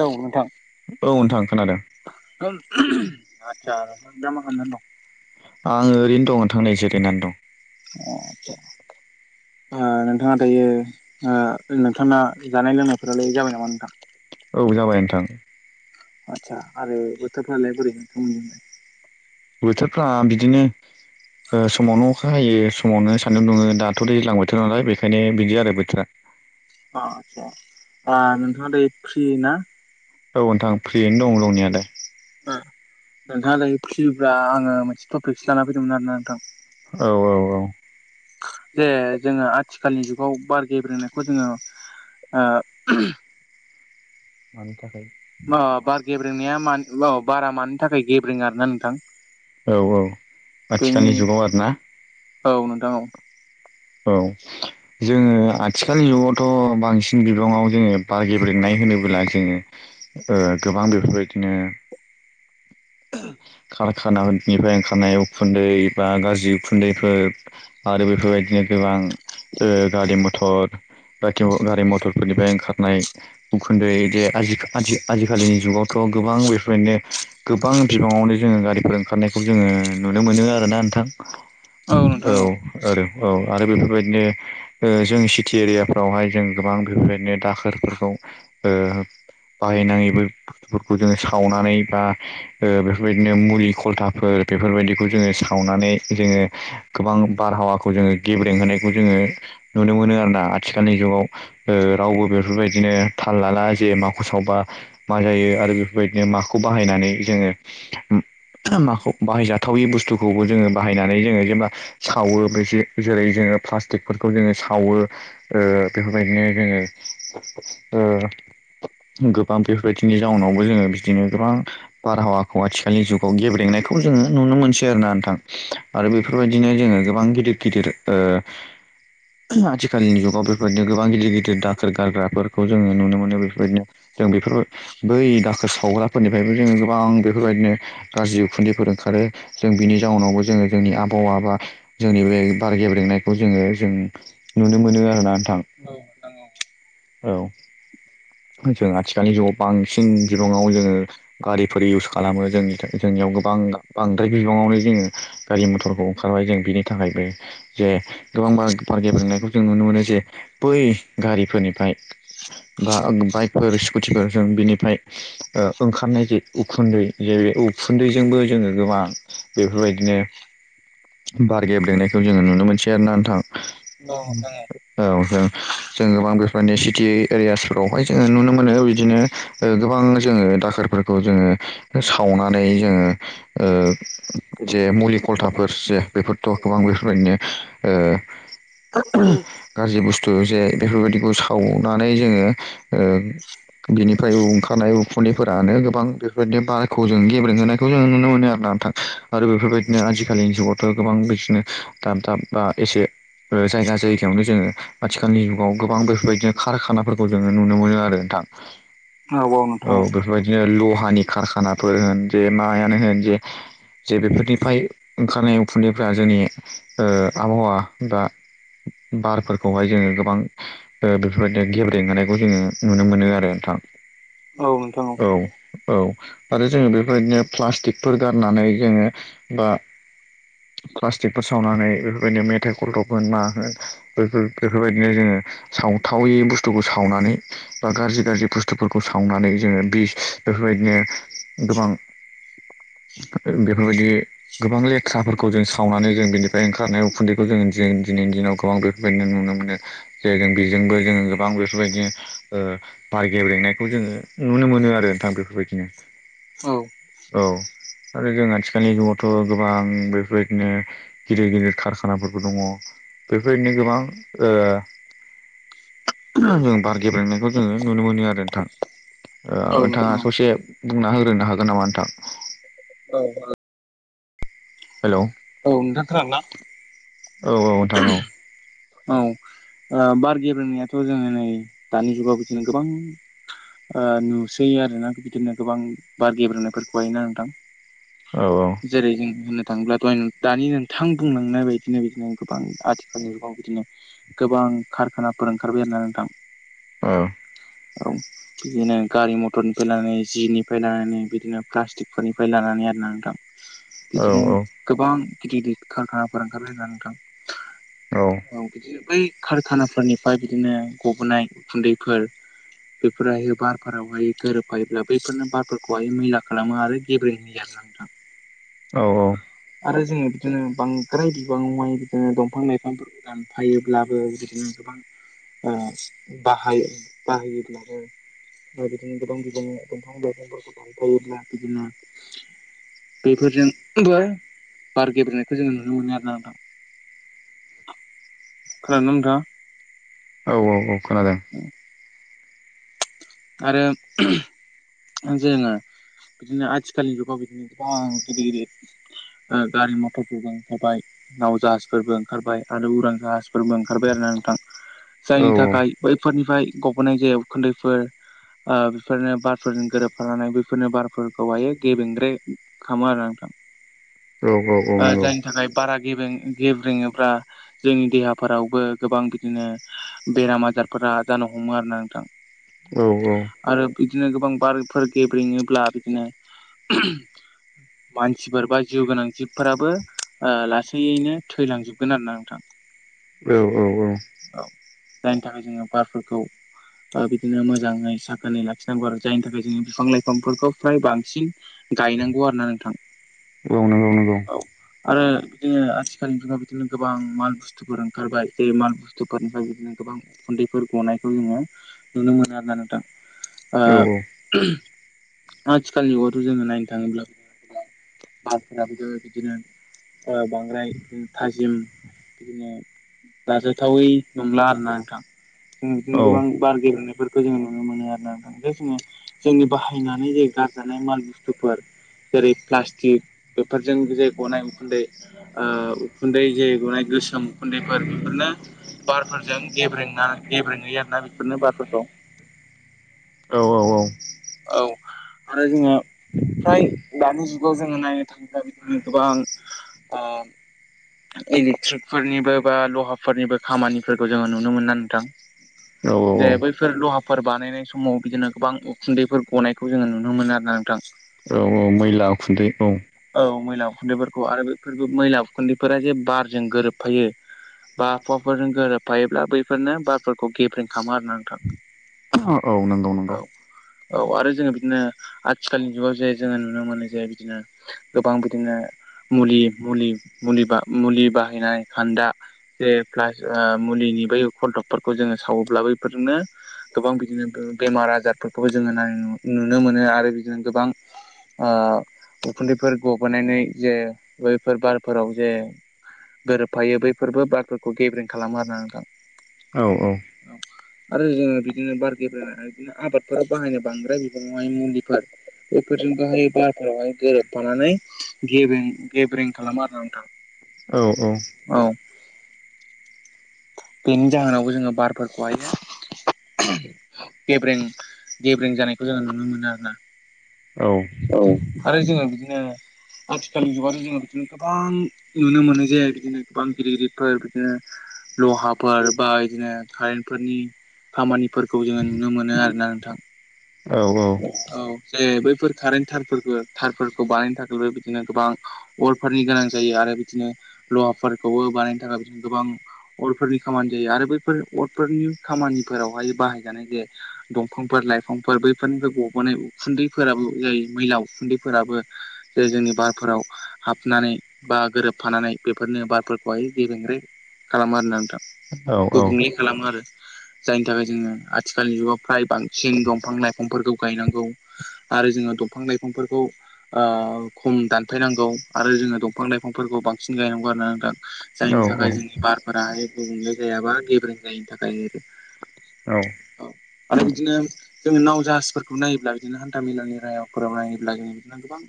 औ नोंथां। औ नोंथां खोनादों आदसा दा मा खालामदों। आङो ओरैनो दं थांनाय जिरायनानै दं। अ अदसा नोंथाङा दायो नोंथाङा जानाय लोंनायफोरालाय जाबाय नामा नोंथां। औ जाबाय नोंथां। आतसा आरो बोथोरफ्रालाय बोरै नोंथां मोनि बोथोरफ्रा बिदिनो। ओ समावनो अखा हायो समावनो सान्दुं दङ दाथ' दैज्लां बोथोर नालाय बेखायनो बिदि आरो बोथोरा। अ आचसा नोंथाङा दैै फ्रि ना? औ नोंथां फ्रियैनो दं दंनियाालाय। नोंथाङा दै फियोब्ला आङो मोनसे टपिकसो लाना फैदोंमोन आरोना नोंथां। औ औ औ। जे जोङो आथि खालनि जुगाव बार गेब्रेनायखौ जोङो ओ [inaudible] मा बार गेब्रेंनाया मानि जुगाव बारा मानि थाखाय गेब्रेें आरोना नोंथां। औ औ आथिखालनि जोंनि जुगाव आरोना औ नोंथां औ औ। जोङो आथिखालनि जुगावथ' बांसिन बिबाङाव जोङो बार गेब्रेनाय होनोब्ला जोङो। ओ गोबां बेफोरबायदिनो खार ओंखारनिफ्राय ओंखारनाय उखुन्दै बा गाज्रि उखुन्दैफोर आरो बेफोरबायदिनो गोबां ओ गारि मथर बाथिव गारि मथरफोरनिफ्राय ओंखारनाय उखु्न्दैे जे आजि आजिखालिनि जुगावथ' गोबां बेफोरनो गोबां बिबाङावनो जोङो गारिफोर ओंखारनायखौ जोङो नुनो मोनो आरोना नोंथां। औ आरो औ आरो बेफोरबायदिनो जों सिटि एरियाफ्रावहाय जों गोबां बेफोरबायदिनो दाखोरफोरखौ ओ बाहायनाङै बे बुस्थुफोरखौ जोङो सावनानै बा बेफोरबायदिनो मुलि खलथाफोर बेफोरबायदिखौ जोङो सावनानै जोङो गोबां बारहावाखौ जोङो गेब्रें होनायखौ जोङो नुनो मोनो आरोना आथिखालनि जुगाव ओ बबेफोरबायदिनो थाल लाला जे माखौ सावबा मा जायो आरो बेफोरबायदिनो माखौ बाहायनानै जोङो माखौ बाहायजाथावि बुस्थुखौबो जोङो बाहायनानै जोङो जेब्ला सावो बे जेरै जोङो प्लास्टिकफोरखौ जोङो सावो ओ बेफोरबायदिनो जोङो ओ गोबां बेफोरबायदिनि जाउनावबो जोङो बिदिनो गोबां बारहावाखौ आथिखालनि जुगाव गेब्रेंनायखौ जोङो नुनो मोनसै आरोना नोंथां आरो बेफोरबायदिनो जोङो। गोबां गिदिर गिदिर ओ। आथिखालनि जुगाव बेफोरबायदिनो गोबां गिदिर गिदिर दाखोर गारग्राफोरखौ जोङो नुनो मोनो बेफोरबायदिनो। जों बेफोर बै दाखोर सावग्राफोरनिफ्रायबो जोङो। गोबां बेफोरबायदिनो गाज्रि उखुन्दैफोर ओंखारो जों बिनि जाउनावबो जोङो जोंनि आबहावा बा। जोंनि बे बार गेब्रेंनायखौ जोङो जों नुनो मोनो आरोना नोंथां। औ नोंथां औ। औ । फोर इउस खालामो जोंनि जोंनियाव । बिनि थाखायबो। जों नुनो । बा बाइक। उखुन्दै जेर उखुन्दैजोंबो जोङो गोबां बेफोरबायदिनो। बार गेब्लेनायखौ जोङो नुनो मोनसै आरोना नोंथां औ नोंथां औ औ जों। जों गोबां बेफोरनि सिटि एरियासफोरावहाय जोङो नुनो मोनो बिदिनो गोबां जोङो। दाखोरखौ। खौ जोङो सावनानै जोङो जे मुलि खलथाफोर। बेफोरथ' गोबां बेफोरबायदिनो। गाज्रि बुस्थु जे बेफोरबायदिखौ सावनानै जोङो। बिनिफ्राय ओंखारनाय उखुनायफोरानो गोबां। गोबां बेफोरबायदिनो बार'। गोबां बिदिनो दाब दाब बा एसे। जायगा जायगायावनो जोङो। औ नोंथां औ बेफोरबायदिनो। लहानि खारखानाफोर होन जे मायानो होन जे। जे बेफोरनिफ्राय ओंखारनाय उखुन्दैफ्रा जोंनि आबहावा बा। बारफोरखौहाय जोङो। थां। औ नोंथां औ औ आरो जोङो बेफोरदिनो प्लास्टिकफोर गारनानै जोङो बा। प्लास्टिकफोर सावनानै बेफोरबायदिनो मेथाइ खलथब होन मा होन बेफोर बेफोरबायदिनो जोङो। सावथावै बुस्थुखौ सावनानै बा गाज्रि। बेफोरबायदिनो गोबां। बि। बेफोरबायदि गोबां लेथ्रा। गोबां बेफोरबायदिनो नुनो मोनो जे। आर औ गेब्रेंनायखौ। आरो जों आथिखालनि जुगावथ'। बेफोरनो गोबां। जों बार गेब्रेंनायखौ जोङो नुनो मोनो आरो नोंथां। औ नोंथाङा नोंथां ससे बुंना होग्रोनो हागोन नामा नोंथां औ औ नोंथां खोनादोंना? हेल'। औ बार गेब्रोननायाथ' जोङो नै दानि जुगावबो जोङनो गोबां। नुसै आरोना बिदिनो गोबां बार गेब्रोननायफोरखौहायोना नोंथां। औ जेरै जों होननो थाङोब्लाथ दानि नोंथां बुंलांनाय बायदिनो बिदिनो। गोबां आथिखालनि जुगाव बिदिनो गोबां खारखानाफोर ओंखारबाय होननानै नोंथां। औ। औ बिदिनो गारि मथरनिफ्राय लानानै जिनिफ्राय लानानै बिदिनो प्लास्टिकफोरनिफ्राय लानानै। नोंथां बिदिनो औ गोबां गिदिर। औ बै। कारखानाफोरनिफ्राय बिदिनो। बेफोराहायो बारफोरावहाय गोरोबफायोब्ला बैफोरनो बारफोरखौहाय मैला खालामो आरो गेब्रेंहोयो। नोंगौ नोंथां औ आरो जोङो बिदिनो बांद्राय बिबां माय उम दंफां लाइफांफोरखौ दानफायोब्लाबो बाहायो बाहायोब्ला उम आरो बिदिनो गोबां बिबांनि दंफां लायफांफोरखौ दानफायोब्ला बिदिनो बेफोरजोंबो बार गेब्रेनायखौ जोङो नुनो मोनो आरोना नोंथां। खोनादोंना नोंथाङा? औ औ औ खोनादों। आरो जोंङो बिदिनो आथिखालनि जुगाव बिदिनो गोबां गिदिर गिदिर ओ गारि मथरफोरबो ओंखारबाय नाव जाहाजफोरबो ओंखारबाय आरो उरां फोरबो ओंखारबाय आरोना नोंथां औ जायनि औ। थाखाय बैफोरनिफ्राय गबोनाय जायाव उखुन्दैफोर ओ बेफोरनो बारफोरजों गोरोबफानानै बेफोरनो बारफोरखौहाय गेबेंग्राय खालामो आरो नोंथां। औ औ ओ नंगौ। जायनि थाखाय बारा गेब्रें गेब्रेङो बा जोंनि देहाफोरावबो गोबां बिदिनो बेराम आजारफोरा जानो हमो आरोना नोंथां। औ औ आरो बिदिनो गोबां बारफोर गेब्रेंङोबा बिदिनो मानसिफोर बा जिउ गोनां जिबफोराबो ओ लासैनो थैलांजोबगोन आरोना नोंथां। औ औ औ औ जायनि थाखाय जोङो बार खौ ओ बिदिनो मोजाङै साखोनै लाखिनांगौ आरो जायनि थाखै बिफां लाइफांफोरखौ फ्राय बांसिन गायनांगौ आरोना नोंथां। औ नोंगौ नोंगौ औ आरो बिदिनो आथिखालनि बिङाव बिदिनो गोबां माल बुस्थुफोर ओंखारबाय बे माल बुस्थुफोरनिफ्राय बिदिनो गोबां उखुन्दैफोर गनायखौ जोङो नुनो मोनो आरोना नोंथां। औ आं आथिखालनिखौथ' जोङो नायनो थाङोब्ला बारफोराबो बिदिनो ओ‌ बांद्राय बिदिनो थाजिम बिदिनो जाजाथावै नंला आरोना नोंथां। जों बिदिनो औ गोबां औ। बार बेफोरखौ जोङो नुनो मोनो आरोना नोंथां बे समाव जोंनि बाहायनानै जे गारजानाय माल बुस्थुफोर जेरै प्लास्टिक बेफोरजों जे गनाय उखुन्दै ओ उखुन्दै जे गनाय गोसोम उखुन्दैफोर बेफोरनो बारफोरजों गेब्रेंना गेब्रेङै आरोना बे बारफोरखौ। औ औ आरो जोङो फ्राय दानि जुगाव जोङो नाय गोबां आ इलेक्ट्रिकफोरनिबो बा लहाफोरनिबो खामानिफोरखौ जोङो नुनो मोना नोंथां। औ जे बैफोर लहाफोर बानायनाय समाव बिदिनो गोबां उखुन्दैफोर गनाय खौ जोङो नुनो मोनो आरोना नोंथां। औ मैला उखुन्दै औ औ मैला उखुन्दैफोरखौ आरो बेफोरबो मैला उखुन्दैफोरा जे बारजों गोरोबफायो बा आबहावाफोरजों गोरोबफायोब्ला बैफोरनो बारफोरखौ गेब्रें खामो आरोना नोंथां औ नंगौ नंगौ औ। औ आरो जोङो बिदिनो आथिखालनि जुगाव जे जोङो नुनो मोनो जे बिदिनो गोबां बिदिनो मुलि मुलि मुलि मुलि बाहायनाय खान्दा ज प्लास ओ मुलि खलटबफोरखौ जोङो सावोब्ला बैफोरनो गोबां बिदिनो बेमार आजारफोरखौबो जोङो नाय नुनो मोनो आरो बिदिनो गोबां आ उखुन्दैफोर गबोनानै जे बैफोर बारफोराव जे गोरोबफायो बैफोरबो बारफोरखौ गेब्रें खालामो आरोना नोंथां। औ औ आरो जोङो बिदिनो बारे बिदिनो आबादफोराव बाहायनाय बांद्राय बिबाङावहाय मुलिफोर बेफोर हायबाथ [unintelligible] गोरोबफानानै गेबें गेब्रेें खालाम आरो नोंथां औ औ औ बेनि जाहोनावबो जोङो बारफोरखौहायो गेब्रें गेब्रें जानायखौ जोङो नुनो मोनो आरो ना औ औ आरो जोङो बिदिनो आथिखालनि जुगानो जोङो बिदिनो गोबां नुनो मोननाय जाया बिदिनो बामगिरििर गगिरिफोर बिदिनो लहाफोर बा बिदिनो कारेन्टफोरनि खामानिफोरखौ जोङो नुनो मोनो आरोोना नोंथां औ औ जे बैफोर कारेन्ट थारफोरखौ थारफोरखौ बानायनो थाखायबो बिदिनो गोबां अरफोरनि गोनां जायो आरो बिदिनो लहाफोरखौबो बानायनो थाखाय गोबां अरफोरनि खामानि जायो आरो बैफोर अरफोरनि खामानिफोरावहाय बाहायजानाय जे दंफांफोर लाइफांफोर बैफोरनिफ्राय गबोननाय उखुन्दैफोराबो जायो मैला उखुन्दैफोराबो जे जोंनि बारफोराव हाबनानै बा गोरोबफानानै बेफोरनो बारफोरखौहाय गेबेंरे खालामो खालामो आरो नोंथां औ गुबुंले खालामो आरो जायनि थाखाय जोङो आथिखालनि जुगाव फ्राय बांसिन दंफां लाइफांफोरखौ गायनांगौ आरो जोङो दंफां लाइफां दफांफोरखौ ओ खम दानफायनांगौ आरो जोङो दंफां लाइफांफोरखौ बांसिन गायनांगौ आरो ना नोंथां औ औ सार फोराय गुबुंले जायाबा गेब्रें जायिनि थाखाय औ आरो बिदिनो जोङो नाव जाहाजफोरखौ नायोब्ला बिदिनो हान्थाामेलानि राहाफोराव नायोब्ला जोङो बिदिनो गोबां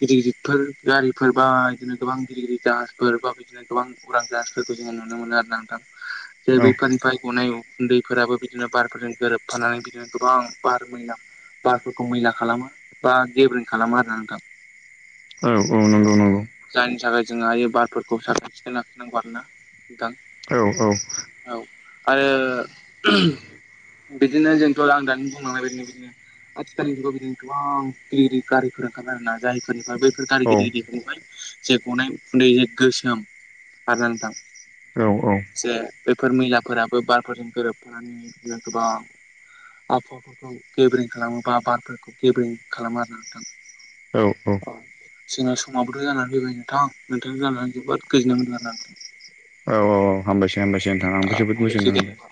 गिदिर गिदिरफोर गारिफोर बा बिदिनो गोबां गिदिर गिर जाहफोर बा बिदिनो गोबां उरां जाह जो नुनो मोनो आरो नोंथां जे औ बैफोरनिफ्राय गनाय उुन्दैफोराबो बिदिनो बारफोरजों गोरोबफानानै बिदिनो गोबां बार मैला बारफोरखौ मैला खालामो बा गेबेरं खालामा आरोा नोंथां औ औ नंगौ नंगौ जोंहा बे बारफोरखौ साखोन सिखोन लाखिनांगौ आरोोना दां औ औ औ औ आरो बिदिनो जोंथ' आं दानि बुंलांनाय बदिनो बिदिनो आथििखालनि जुगाव बिदिनो गोबां गिदिर गिदिर गारिफोर ओंखारबाय आरो ना जायफोरनिफ्राय बैफोर गायगिरिगिरिफोरनिफ्राय जे गनाय गुन्दै जे गोसोम आरो नोंथां औ औ जे बेफोर मैलाफोराबो बारफोरजों गोरोबफानानै बिदिनो गोबां आबहावाफोरखौ गेदेरं खालामोबा बारफोरखौ गेदेरं खालामा नोंथां औ औ जोंना समाबोथ' जानानै फैबाय नोंथां नोंथांनि जानानै जोबोद गोजोननाय मोनथारदों औ औ औ हामबायसै हामबायसै नोंथां आंबो औ जोबोद हामबायसै मोजोननाय मोनदों दे